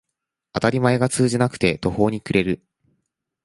当たり前が通じなくて途方に暮れる